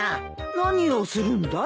何をするんだい？